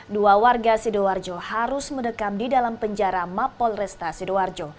dua warga sidoarjo harus mendekam di dalam penjara mapol resta sidoarjo